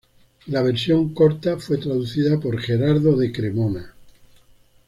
La versión corta fue traducida por Gerardo de Cremona.